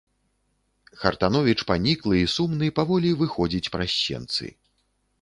Хартановіч паніклы і сумны паволі выходзіць праз сенцы.